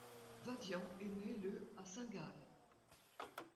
Vadian est né le à Saint-Gall.